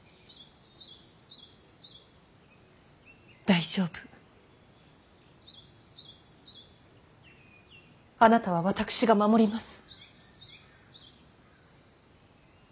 大丈夫あなたは私が守ります。